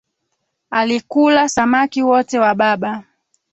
Alikula samaki wote wa baba